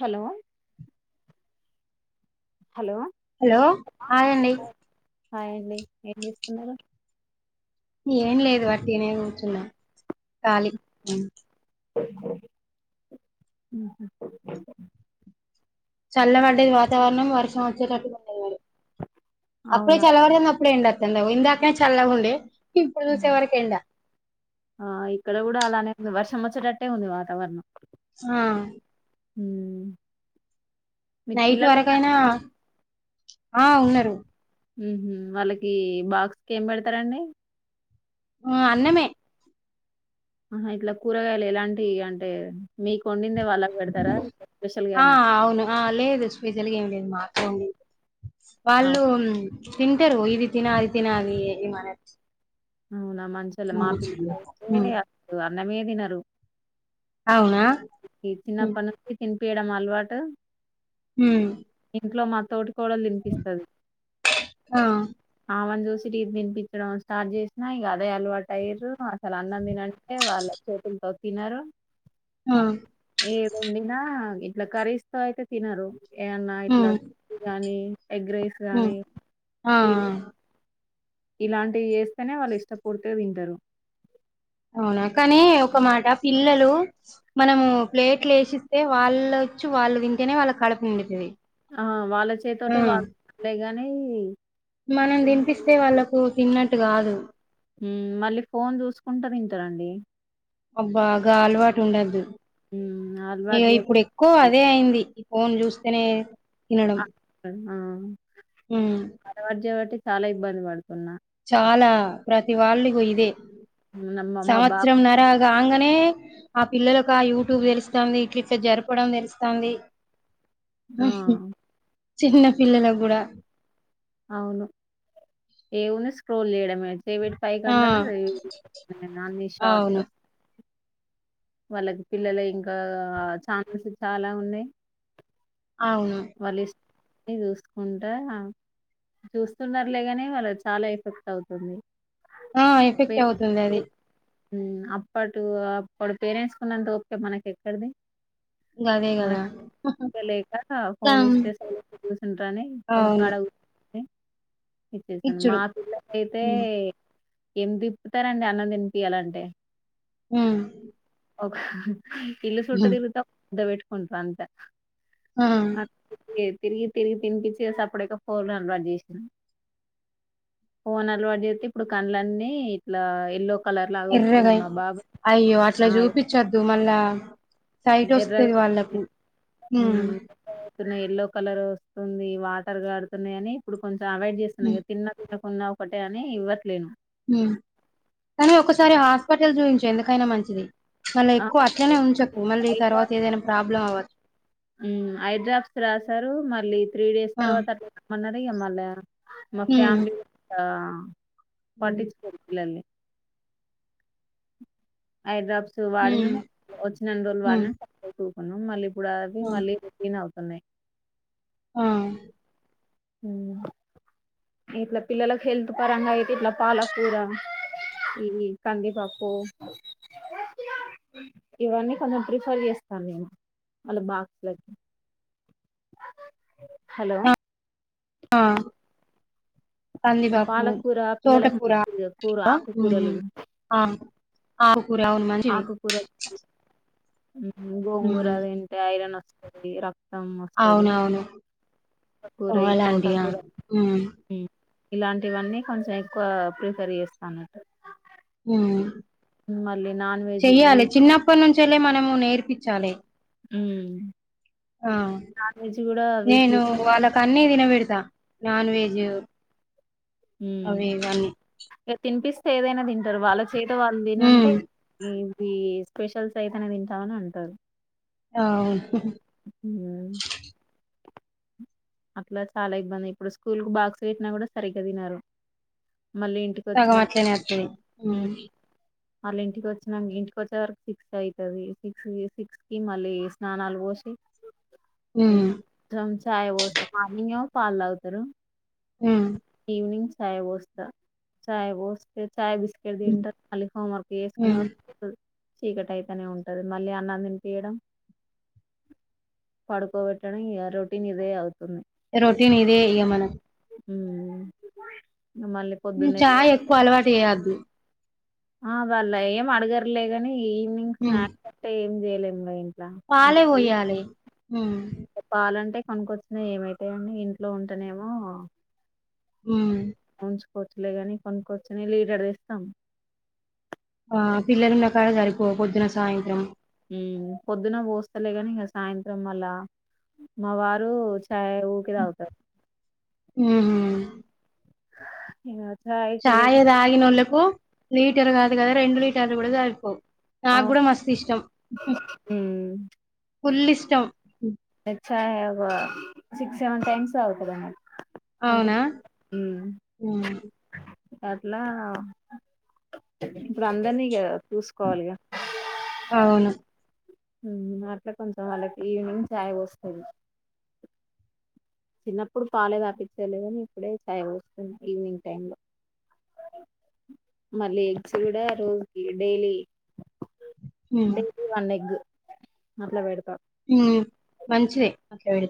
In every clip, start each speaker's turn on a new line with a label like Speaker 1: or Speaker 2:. Speaker 1: Hello hello
Speaker 2: hello hi అండి
Speaker 1: హాయండి ఏం చేస్తున్నారు
Speaker 2: ఏం లేదు వట్టిగనే కూర్చున్నం కాలీ
Speaker 1: మ్ హు
Speaker 2: చల్లబడ్డది వాతావరణం వర్షం వచ్చేటట్టుగున్నది అప్పుడే
Speaker 1: అవునా
Speaker 2: చలపడుతుంది అప్పుడే ఎండోతంది అగొ ఇందాకనే చళ్ళగుండె
Speaker 1: ఆ ఇక్కడ కూడా అలానే ఉన్ వర్ష్ ర్షమొచ్చేటట్టే ఉంది వాతవరణం
Speaker 2: ఆ
Speaker 1: మ్
Speaker 2: నైట్ వరకైనా ఆ ఉన్నారు
Speaker 1: మ్ హు వాళ్ళకి బాక్స్ కేం పెడుతారండి
Speaker 2: ఆ అన్నమే
Speaker 1: ఆహా ఇట్లా కూరగాయలు ఎలాంటివి అంటే మీకొండి డిందే వాళ్ళక్ పెడుతారా స్పెషల్గా ఏమన్న చే
Speaker 2: సాషాల్గా ఏం లేదు మాకు వండిన్ వాళ్ళు
Speaker 1: అవు-
Speaker 2: తింటారు ఇది తిన అది తిన అని ఏ మనర్
Speaker 1: అవునా మంచ్చోళ్ళే మా
Speaker 2: మ్
Speaker 1: పిల్లలయితే అన్నమే తినరు
Speaker 2: అవునా
Speaker 1: ఇ
Speaker 2: మ్
Speaker 1: చిన్నప్పటి నుంచి పీయడం అలవాటు
Speaker 2: మ్
Speaker 1: ఇంట్లో మా తోటి కోడలు తినిపిస్తది
Speaker 2: ఆ
Speaker 1: ఆమెన్ చిరి తీపిస్తది ఆమె స్టాట్ చే నా ఇగ అదే అలవాటు అయ్యేర్రు అసలు అన్న తినంటే వాళ్ళ చేతుల్తో తినారు
Speaker 2: ఆ
Speaker 1: ఏ ది వండినా ఇట్లా కరీస్ తో అయితే తినరు ఏమన్నా ఇట్లా
Speaker 2: మ్
Speaker 1: కానీ ఎగ్రేస్
Speaker 2: మ్
Speaker 1: గానీ
Speaker 2: ఆ
Speaker 1: పుల్
Speaker 2: ఆ
Speaker 1: ఇలాంటివి చేస్తేనే వాళ్ళు ఇష్టపూర్తిగ తింటరు
Speaker 2: అవునా కానీ ఒక మాట పిల్లలు మనము ప్లేట్లేసిస్తే వాళ్ చ్చు వాళ్ళు తింటేనే వాళ్ళ కడుపు నిండుతది
Speaker 1: ఆ వాళ్ళ
Speaker 2: ఆ
Speaker 1: చేయితోటే వాళ్ళ లే గాని
Speaker 2: మనం తినిపిస్తే వాళ్ళలకు తిన్నట్టు కాదు
Speaker 1: మ్ మళ్ళీ ఫోన్ చూసుకుంటా తింటారండి
Speaker 2: అబ్బా గా అలవాటు ఉండోద్దు
Speaker 1: మ్మ్
Speaker 2: ఇగ
Speaker 1: అలవాటు చే
Speaker 2: ఇప్పుడు ఎక్కువ అదే అయింది ఫోన్ చూస్తేనే తినడం ఉమ్
Speaker 1: అలవాటు చేయబట్టి చాలా ఇబ్బంది పడుతున్నా
Speaker 2: చాలా ప్రతి వాళ్ళు ఇగో ఇదే
Speaker 1: నా- మా మా బాబు
Speaker 2: సంవత్సరం నర కన్గనే ఆ పిల్లలకు ఆ యూట్యూబ్ తెలుస్తది ఇట్లిట్ల జరపడం తెలుస్థంది
Speaker 1: ఆ
Speaker 2: చిన్న పిల్లలకు కూడా
Speaker 1: అవును ఏవున్న స్క్రోల్ చేయడమే చెయ్యి పెట్టి పై
Speaker 2: ఆ
Speaker 1: కంటరు అన్ని షార్ట్స్
Speaker 2: అవును
Speaker 1: వాళ్ళకి పిల్లలు ఇంకా ఛాన్స్ చాలా ఉన్నాయి
Speaker 2: అవును
Speaker 1: అన్ని చూసుకుంటా చూస్తున్నార్లేగాని వాళ్ళక్ చాలా ఎఫెక్ట్ అయితుంది
Speaker 2: ఆ ఎఫెక్టే అవుతుంది అది
Speaker 1: మ్ అప్పడు అప్పుడు పేరెంట్స్ కున్నంత ఓపిక మనకేక్కడిది
Speaker 2: గదే గదా
Speaker 1: మనక్ [unintelligible] లేక ఫోన్
Speaker 2: కం
Speaker 1: ఇస్తే సైలెంగా కూసుంటారాని
Speaker 2: అవును
Speaker 1: ఒకకాడ కుకొని ఇచ్చేసాను
Speaker 2: ఇచ్చుడు
Speaker 1: మా పిల్లకైతే
Speaker 2: హ్మ్
Speaker 1: ఏం తిప్పుతారండి అన్నం తినిపియాలంటే
Speaker 2: ఆ
Speaker 1: ఒక ఇళ్ళు సుట్టు తిరుగుతే ఒక ముద్ద పెట్టుకుంటారు అంత
Speaker 2: ఆ
Speaker 1: అట్లే తిరిగి తిరిగి తినిపిచ్చి ఇగ సప్పుడేక ఫోన్ అలవాటు చేసిిన ఫోన్ అలవాటు చేతే ఇప్పుడు కళ్డ్లన్నీ ఇట్లా ఎళ్ళో
Speaker 2: ఎర్రగై అయ్యో అట్లా
Speaker 1: ఆ
Speaker 2: చూపించోద్దు మళ్ళా సైట్
Speaker 1: ఎర్రగా
Speaker 2: వస్తది వాళ్ళకు మ్
Speaker 1: స్తున్నాయ్ ఎల్లో కలర్ వస్తుంది వాటర్ కారుతున్నాయని ఇప్పుడు కొంచెం అవాయిడ్ చేస్తున్నా
Speaker 2: హ్మ్
Speaker 1: ఇగ తిన్న తిన ఉన్నా ఒకటే అని ఇవ్వట్లేను
Speaker 2: హ్మ్ కానీ ఒకసారి హాస్పిటల్ చూయించు ఎందుకైనా మంచిది మళ్ళీ
Speaker 1: ఆ
Speaker 2: ఎక్కువ అట్లనే ఉంచకు మళ్ళీ ఈ తర్వాత ఏదైనా ప్రాబ్లమ్ అవ్వచ్
Speaker 1: మ్ హేడ్రప్స్ రాసారు మళ్ళీ త్రీ డేస్
Speaker 2: ఆ
Speaker 1: తర్వాత రమ్మన్నారు ఇగ మళ్ళీ మా
Speaker 2: హ్మ్
Speaker 1: ఫ్యాలీ ళ్ళ
Speaker 2: హ్మ్
Speaker 1: పట్టించ్చుకోరు పిల్లల్ని ఐడ్రాప్స్
Speaker 2: హ్మ్
Speaker 1: వాడినాం వచ్చినన్ని రెండు రోజులు
Speaker 2: హ్మ్.
Speaker 1: వాడినాం సప్పుడే ఉకున్నాం మళ్ళీప్ ఇప్పుడు అవి
Speaker 2: హ్మ్.
Speaker 1: మళ్ళీ రిలీన్ అవుతున్నాయి
Speaker 2: ఆ
Speaker 1: మ్ ఇట్లా పిల్లలకు హెల్తే పరంగా అయితే ఇట్లా పాలకూర ఇవి కంది పప్పు ఇవన్నీ కొంచెం ప్రిఫర్ చేస్తాను నేను వాళ్ళ బాక్స్ లకి హలో
Speaker 2: ఆ ఆ కంది
Speaker 1: ఈ
Speaker 2: పప్పు
Speaker 1: పాలకూర
Speaker 2: తోట
Speaker 1: పిల్లలకి
Speaker 2: కూర
Speaker 1: కూర
Speaker 2: లో
Speaker 1: ఆకుకూరలు
Speaker 2: మ్ ఆ ఆకు
Speaker 1: ఆకుకూరలు
Speaker 2: హ్మ్
Speaker 1: గోంగూరా తింటే ఐరన్ వస్తుంది రక్ క్తం వస్తది
Speaker 2: అవునవును.
Speaker 1: కూర ఈ తోట
Speaker 2: అలాంటియా?
Speaker 1: కూర
Speaker 2: హ్మ్.
Speaker 1: మ్ ఇలాంటివన్నీ కొంచెం ఎక్కువ ప్రిఫెర్ చేస్తాఅన్నట్టు
Speaker 2: మ్
Speaker 1: మళ్ళీ నాన్ వెజ్ వీక్
Speaker 2: ట్లే మనము నేర్పించాలి
Speaker 1: మ్
Speaker 2: ఆ
Speaker 1: వీక్లీ
Speaker 2: నేను
Speaker 1: టూ
Speaker 2: వాళ్ళకు అన్నీ తినబెడు త నన్ వెజ్
Speaker 1: మ్
Speaker 2: అవి ఇవన్నీ.
Speaker 1: ఇగ తినిపిస్తే ఏదైనా తిం ంటారు వాళ్ళ చేత వాళ్ళు తినంటే
Speaker 2: హ్మ్.
Speaker 1: ఎం ఇ స్పెషల్స్ అయితేనే తింటామని అంటారు
Speaker 2: అవును
Speaker 1: మ్ అట్లా చాలా ఇబ్బంది ఇప్పుడు స్కూల్ కు బాక్స్ పెట్టినా కూడా సరిగ్గా తినారు మళ్ళీ
Speaker 2: సగం
Speaker 1: ఇంటికోచ్చిన
Speaker 2: అట్లనే అత్తది. హ్మ్.
Speaker 1: మ్ మళ్ళి ఇంటికి వచ్చినాక్ ఇంటికోచ్చే వరకు సిక్స్ అయితది సిక్స్ సిక్స్ కి మళ్ళీ స్నానాలు పో సి
Speaker 2: హ్మ్.
Speaker 1: చం చాయా పోస్త మార్నింగ్ ఏమో పాలు తాగుతారు
Speaker 2: హ్మ్.
Speaker 1: ఈవినింగ్ చాయ్ పోస్తా చాయ్ పోస్తే చాయ్ బిస్కెట్
Speaker 2: హ్మ్.
Speaker 1: తింటారు మళ్ీ హోమ్వర్క్ చేసుకునే
Speaker 2: హ్మ్.
Speaker 1: వరకు ఫుడ్డు చీకటి అయితేనే ఉంటది మళ్ళీ అన్నం తినిపియడం పడుకోబెట్టడం ఇగ రొటీన్ ఇదే అవ్
Speaker 2: రోటీన్ ఇదే ఇగ మనం
Speaker 1: మ్
Speaker 2: నువ్ చాయ్ ఎక్కువ అలవాటు చెయ్యొద్దు
Speaker 1: ఆ వాళ్ళ ఏం అడగర్లే కాని ఈవినింగ్
Speaker 2: హ్మ్.
Speaker 1: స్నాక్స్ అట్టే ఏం చేయలేముగ ఇం
Speaker 2: పాలే పోయ్యాలి మ్
Speaker 1: పాలంటే కొనుకొచ్చినై ఏమైతాయండి ఇంట్లో ఉంటేనేమో
Speaker 2: మ్
Speaker 1: ఉంచుకోవచ్చులే గాని కొనుక్కోవచ్చని లీడర్ ఇస్తాం
Speaker 2: ఆ పిల్లలు ఉన్న కాడ సరిపో పొద్దున సాయంత్రం
Speaker 1: పొద్దున్న పోస్తలే కానీ ఇంక సాయంత్రం వళ్ళ మా వారు చాయ ఊకే తాగుతారు
Speaker 2: ఉమ్మ్
Speaker 1: ఇగా
Speaker 2: చాయ్ తాగినోళ్లకు లీటర్ కాదు కద రెడు లలీటర్ కూడా సరిపోవ్ నాకు
Speaker 1: అవును
Speaker 2: కూడా మస్తు ఇష్టం ఫుల్ ఇష్టం
Speaker 1: తెలుసా ఇవ సిక్స్ సెవెన్ టైమ్స్ తాగుతది
Speaker 2: అవునా మ్మ్
Speaker 1: అట్లా ఇప్పుడు అందరినీ ఇగ చూసుకోవాలిగా
Speaker 2: అవును
Speaker 1: అట్లా కొంచెం వాళ్ళకి ఈవినింగ్ చఛాయ్ వస్తుంది చిన్నప్పుడు పాలే దాపించలేదని ఇప్పుడే చాయ్ పోస్తుంది ఈవినింగ్ టైమ్ లో మళ్ళీ ఎగ్స్ కూడా రోజుకి డైలీ
Speaker 2: ఉమ్
Speaker 1: డైలీ వన్ ఎక్ మట్లా పెడ్తామ్
Speaker 2: ఉ మంచిదే అట్లా పెడితే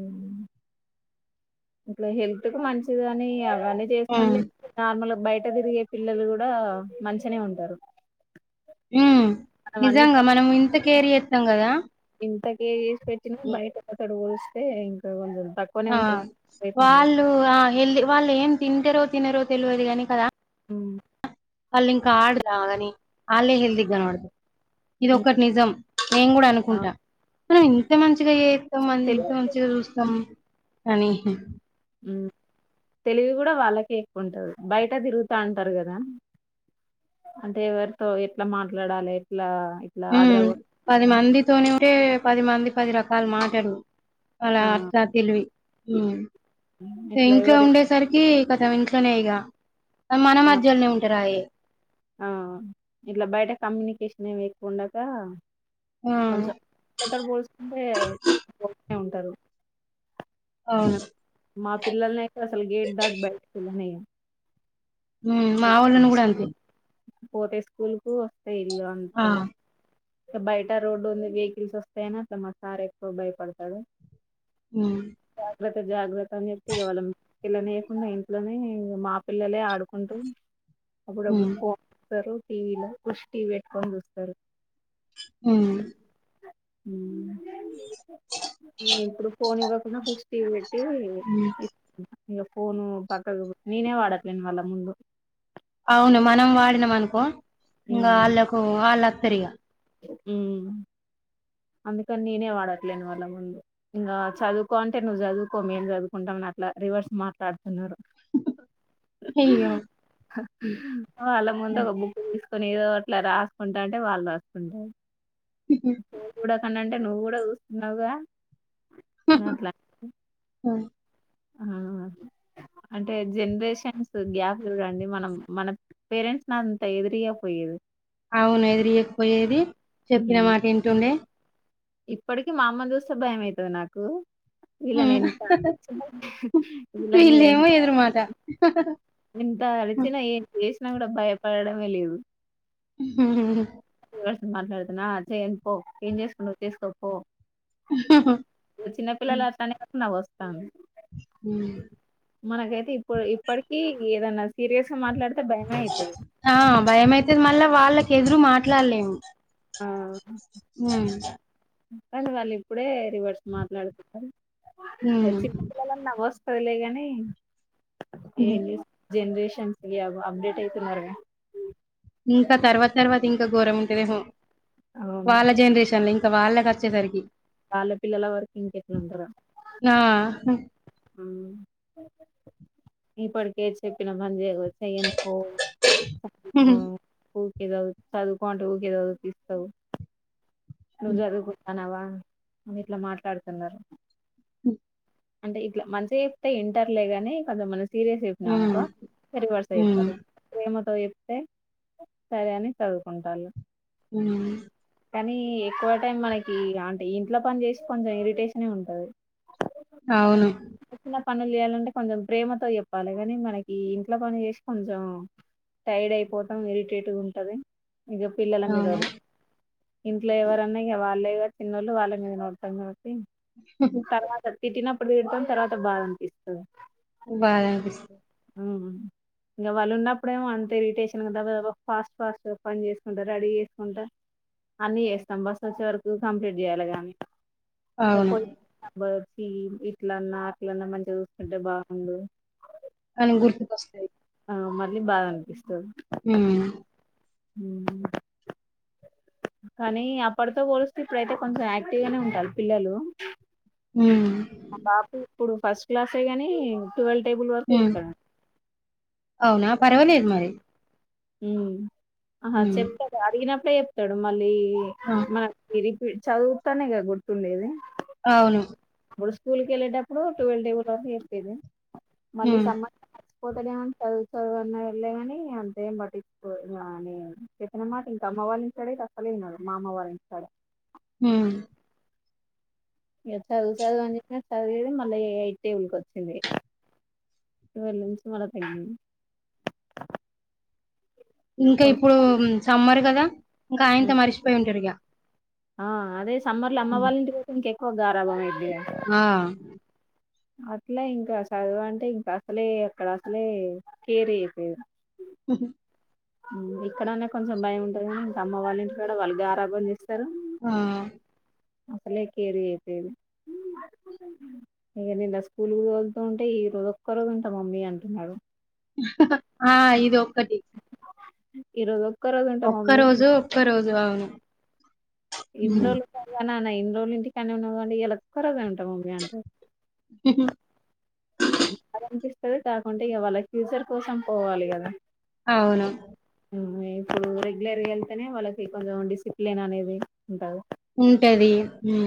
Speaker 1: ఉమ్మ్ హెల్త్ కి మంచిది కానీ అవన్నీ
Speaker 2: ఉమ్
Speaker 1: చేస్తానులే నార్మల్ బయట తిరిగే పిల్లలు కూడా మంచినే ఉంటారు
Speaker 2: ఉ
Speaker 1: మనం అన్ని
Speaker 2: నిజంగా మనం ఇంత కేర్ చేస్తాం కదా
Speaker 1: ఇంతకే చేసి పెట్నా బయట అతడు పోలిస్తే ఇంకా కొం
Speaker 2: ఆ వాళ్ళు ఆ హల్ వాళ్ళు ఏం తింటారో తినరో తెలియదు కాగాని కదా
Speaker 1: మ్మ్
Speaker 2: వళిక ఆడదవగని అల్లేే హల్దగా కనవడతారు ఇది ఒకక్కటి నిజం నేం కూడా అనుకుంటా మనం ఇంత మంచిగా మంది ఇంత
Speaker 1: తెలివి
Speaker 2: మంచిగా చూస్తాం కానీ
Speaker 1: తెలివి కూడా వాళ్ళకే ఎక్కువంటది బయట తిరుగుతా ఉంటారు కదా అంతేవరితో ఎట్లా మాట్లాడాలే ఎట్లా ఇట్లా
Speaker 2: ఉ
Speaker 1: ఆదరాగ
Speaker 2: పది మందితోనే ఉంటే పది మంది పది రకాల మాటలు అలా
Speaker 1: ఆ
Speaker 2: అర్లా తెలివి
Speaker 1: ఇట్లా
Speaker 2: ఇంట్లో
Speaker 1: ఎవరి
Speaker 2: ఉండేసరికి కత ఇంకా తోనే ఇగా
Speaker 1: ఆ ఆ ఇట్లా బయట కమ్యూనికషన్ నేను ఎక్కు ఉడాక
Speaker 2: ఆ
Speaker 1: కొంచెం అందరితో పోల్సుకుంటే ఉంటారు
Speaker 2: అవును
Speaker 1: మా పిల్లలు అయితే అసలు గేటు దాటి బయటికి వెళ్ళనీయం
Speaker 2: మా మా వాళ్ళను కూడా అంతే
Speaker 1: పోతే స్కూల్ కు వస్తేయి ఇల్లు
Speaker 2: ఆ
Speaker 1: అంతేగా ఇగా బయట రోడ్డు ఉంది వెహికల్స్ వస్తాయనా అట్లా మ సార్ ఎక్కువ భయపడతాడు
Speaker 2: అ
Speaker 1: జాగ్రత్త జాగ్రత్త అని చెప్తే ఇవాళం ఇిల లేయకుండా ఇంట్లోనే మా పిల్లలే ఆడుకు ఉంటు అప్పుడుప్పుడు
Speaker 2: ఉమ్
Speaker 1: ఫోన్ చూస్తారు టీవీలో వష్టి పెట్టుకొని చూస్తారు
Speaker 2: మ్మ్
Speaker 1: మ్ ఇప్పుడు ఫోన్ ఇవ్వకున్న ఖుషి టీవి పెట్ ట్టి
Speaker 2: ఉమ్
Speaker 1: ఇగ ఫోను పక్కకు నేనే వాడట్లేను వాళ్ళ ముందు
Speaker 2: అవును మనం వాడినాం అనుకో ఇంగ వాళ్ళకు వాళ్ళు అత్తరిగా
Speaker 1: మ్ అందుకని నేనే వాడట్లేని వాళ్ళ ముందు ఇంగ చదువుకో అంటే నువ్వు చదువుకో మేము చదువుకుంటాం మట్లా రివర్స్ మాట్లాడ్ తున్నూరు
Speaker 2: అయ్యో హ్మ్.
Speaker 1: వాళ్ళ ముందు ఒక బుక్ తీస్ కొని ఏదో అట్ల రాసుకుంటంటే వాళ్ళు రాసుకుంటారు
Speaker 2: హ్మ్.
Speaker 1: ఫోన్ ఆనంటే నువ్వు కూడా చూస్తున్నావుగా అట్లా
Speaker 2: ఆ!
Speaker 1: ఆ అంటే జనరేషన్స్ గ్యాప్ చూడండి మనం మన పేరెంట్స్ ని అంత ఎదురియపోయేది
Speaker 2: అవును ఎదురియకపోయేది చెప్పిన మాట ఇంటుండే
Speaker 1: ఇప్పటికి మా అమ్మను చూస్తే భయం అయితది నాకు వీళ్ళను
Speaker 2: హ్మ్.
Speaker 1: ఎంత ఆరిచిన వీళ్ల మీద
Speaker 2: వీళ్ళేమో
Speaker 1: ఎంత
Speaker 2: ఎదురు మాట.
Speaker 1: ఎంత అరిచినా ఏం చేసినా కూడా భయపడడమే లేదు
Speaker 2: హ
Speaker 1: మాట్లాడుతేనా ఆ చెయ్యన్ పో ఏం చేసుకుంటావో చేసుకపో ఇంగ చిన్నపిిల్లలు అట్లా అనేసరికి నవ్వొస్తానంది
Speaker 2: మ్
Speaker 1: మనకైతే ఇప్పుడు ఇప్పటిక ఏదన్నా సీరియస్ గా మాట్లాడితే భయమే అయితది
Speaker 2: ఆ భయమైతది మళ్ళా వాళ్ళకి ఎదురు మాట్లాడలేము
Speaker 1: ఆ
Speaker 2: మ్
Speaker 1: కాని వాళ్ళు ఇప్పుడే రివర్స్ మాట్లాడుతున్నారు
Speaker 2: హ్మ్.
Speaker 1: చిన్న పిల్లలని నవ్వోస్ పదులే కాని ఏం
Speaker 2: హ్మ్.
Speaker 1: చెస్ జనరేషన్స్ అప్డేట్ అవుతున్నారుగా
Speaker 2: ఇంకా తర్వాత తర్వాత ఇంకా ఘోరం ఉంటదేమొ వాళ్ళ జనరేషన్ లో ఇంకా ఇంకా వాళ్ళకచ్చేసరికి
Speaker 1: వళ్ళ పిల్లల వరకి ఇంకెట్లుంటారో
Speaker 2: ఆ!
Speaker 1: ఆ ఇప్పుటికే చెప్పిన పని చేయ చెయ్యను పో
Speaker 2: హ్మ్.
Speaker 1: [unintelligible] ఏదో చదువుకో అంటే ఊకె చదివిపిస్తావ్ నువ్వు చదువుకుంటనవా అని ఇట్లా మాట్లాడుతున్నారు
Speaker 2: హ
Speaker 1: అంటే ఇట్లా మంచిగ చెప్తే ఇంటర్లేగాని కొంత మన సిరిస్ గ చెప్పినం అనుకో
Speaker 2: హ్మ్.
Speaker 1: రివర్స్
Speaker 2: హ్మ్.
Speaker 1: అయితరు ప్రేమ తో చెప్తే సరే అని చదువుకుంటాళ్ళు
Speaker 2: మ్
Speaker 1: కానీ ఎక్కువ టైం మనకి అంటే ఇంట్ల పని చేసి కొంచెం ఇరిటేషనే ఉంటది
Speaker 2: అవును
Speaker 1: చిన్న పనులు చేయాలంటే కొంచెం ప్రేమతో చెప్పాలి కానీ మనకి ఇంట్ల పని చేసి కొంచెం టైడ్ అయిపోవతం ఇరిటేట్ గ ఉంటది ఇగ పిల్లల మీద
Speaker 2: అవును.
Speaker 1: ఒర్రు ఇంట్ల ఎవర న్న ఇగ వాళ్ళే గ చిన్నోళ్ళు వాళ్ళమీద నే ఒర్రుతం కాబట్టి తర్వాత తిట్టినప్పుడు తిడుతాం తర్వాత బాదా అనిపిస్తది
Speaker 2: బాధనిపిస్తుంది.
Speaker 1: ఉమ్. ఇంకా వాళ్ళు ఉన్నప్పుడేమో అంతే ఇరిటేషన్ కదా ఫాస్ట్ ఫాస్ట్ పని చేసుకుంటా రెడీ చేసుకుంటా. అన్ని చేస్తాం బస్ వచ్చే వరకు కంప్లీట్ చేయాలి గానీ
Speaker 2: అవును.
Speaker 1: ఆహ్. ఈ ఇట్లన్నా అట్లన్నా మంచిగా చూసుకుంటే బాగుండు.
Speaker 2: మనకు గుర్తుకొస్తాయి.
Speaker 1: ఆ మళ్ళీ బాద అనిపిస్తది.
Speaker 2: ఉమ్.
Speaker 1: ఉమ్. కానీ అప్పటితో పోలిస్తే ఇప్పుడైతే కొంచెం యాక్టివ్ గానే ఉంటాలి పిల్లలు.
Speaker 2: హ్మ్.
Speaker 1: మా బాబు ఇప్పుడు ఫస్ట్ క్లాసే గాని. టువెల్ టెబుల్ వరకు
Speaker 2: హ్మ్.
Speaker 1: చెబుతాడు.
Speaker 2: అవునా పర్వాలేదు మరి.
Speaker 1: ఉమ్ ఆహా
Speaker 2: హ్మ్.
Speaker 1: చెప్తాడు అడిగినప్పుడే చెప్తాడు మళ్ళీ
Speaker 2: ఆ!
Speaker 1: మనకు తిరిగి. చదువుతానే కదా గుర్తుండేది.
Speaker 2: అవును.
Speaker 1: ఇప్పుడు స్కూల్కి వెళ్ళేటప్పుడు ట్వెల్వ్ టేబుల్ వరకు చెప్పేది మళ్ళీ ఈ
Speaker 2: హ్మ్.
Speaker 1: సమ్మర్. పోతాడులే అన్ చదువుతాడు అన్నాడులే కాని అన్. ఏం పట్టించుకోడు ఆహ్ ఇంకా నేను చెప్పిన మాట ఇంక అమ్మ వాళ్ల ఇంటి కాడైతే అసలే వీనడు మా అమ్మ వాళ్ళ ఇంటికాడ.
Speaker 2: ఉమ్.
Speaker 1: ఇక చదువు చదువు అని చెప్పిన చదివేది మళ్ళా ఎయిట్ టేబుల్ కి వచ్చింది. వెల్లుమ్స్ మళ్ళ [unintelligible] అయింది.
Speaker 2: ఇంకా ఇప్పుడు సమ్మరు కదా ఇంకా ఆఇంత మరిచిపోయి ఉంటాడు ఇంకా.
Speaker 1: ఆహ్ అదే సమ్మర్లు అమ్మ వాళ్ల ఇంటికి పోతే ఇంకా ఎక్కువగా గారాబం అయుదేమో.
Speaker 2: ఆహ్.
Speaker 1: అట్లా ఇంకా చదువు అంటే ఇంకా అసలే అక్కడ అసలే కేర్ చేయకపోయేది.
Speaker 2: ఉహూ.
Speaker 1: ఉమ్ ఇక్కడన్న కొంచెం భయం ఉంటాది కానీ ఇంకా అమ్మ వాళ్ళ ఇంటికాడా వాళ్ళు గారాభం చేస్తారు.
Speaker 2: ఆహ్.
Speaker 1: అసలే కేర్ చేయకపోయేది. ఇంకా నిన్న స్కూల్కుతోళ్తూంటే ఈ రోజు ఒక్క రోజు ఉంటా మమ్మీ అంటున్నాడు.
Speaker 2: ఆహ్ ఇది ఒక్కటి.
Speaker 1: ఈరోజు ఒక్క. రోజు ఉంటా
Speaker 2: ఒక్క
Speaker 1: మమ్మీ
Speaker 2: రోజు ఒక్క రోజు అవును.
Speaker 1: ఇన్ని
Speaker 2: హ్మ్.
Speaker 1: రోజులున్నవుగా నాన్న ఇన్ని రోజులు ఇంటి కాడనే ఉన్నావుగా అంటే ఇయళ ఒక్కరోజే ఉంటా మమ్మీ అంటాడు.
Speaker 2: ఉహూ.
Speaker 1: బాధ అనిపిస్తది కాకుంటే ఇక వాళ్ళ ఫ్యూచర్ కోసం పోవాలి కదా.
Speaker 2: అవును.
Speaker 1: ఉమ్ ఇప్పుడు రెగ్యులర్ గా వెళ్తేనే వాళ్ళకి కొంచెం డిసిప్లిన్ అనేది ఉంటది.
Speaker 2: ఉంటది ఉమ్.